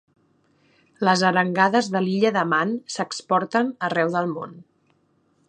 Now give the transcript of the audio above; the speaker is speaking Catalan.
Les arengades de l'Illa de Man s'exporten arreu del món.